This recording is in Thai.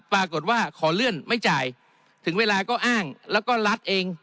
ปรากฏว่าขอเลื่อนไม่จ่ายถึงเวลาก็อ้างแล้วก็ลัดเอง